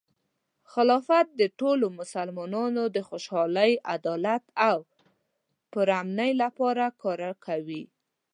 خلافت د ټولو مسلمانانو د خوشحالۍ، عدالت، او پرامنۍ لپاره کار کوي.